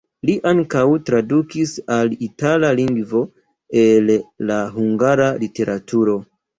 Li ankaŭ tradukis al itala lingvo el la hungara literaturo.